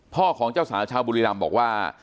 ของเจ้าสาวชาวบุรีรำบอกว่า